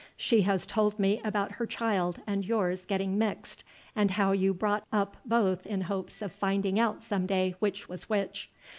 She has told me about her child and yours getting mixed, and how you brought both up in hopes of finding out some day which was which.